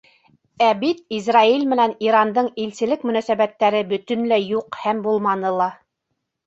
Ә бит Израиль менән Ирандың илселек мөнәсәбәттәре бөтөнләй юҡ һәм булманы ла.